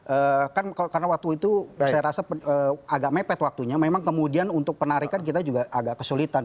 eee kan karena waktu itu saya rasa agak mepet waktunya memang kemudian untuk penarikan kita juga agak kesulitan